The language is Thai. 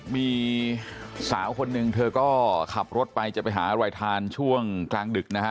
มีสาวคนหนึ่งเธอก็ขับรถไปจะไปหาอะไรทานช่วงกลางดึกนะฮะ